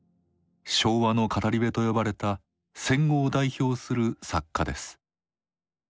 「昭和の語り部」と呼ばれた戦後を代表する作家です。